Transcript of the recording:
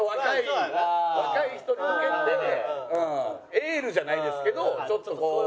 エールじゃないですけどちょっとこう。